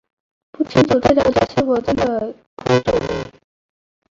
不清楚这条街是否真的以公主命名。